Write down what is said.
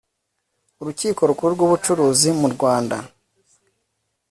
urukiko rukuru rw ubucuruzi murwanda